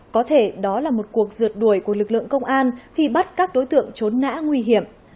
có thể đó là một cuộc rượt đuổi của lực lượng công an khi bắt các đối tượng trốn nã nguy hiểm